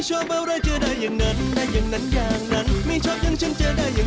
ฉันแค่กลัวส่งของไม่ทัน